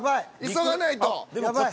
急がないと。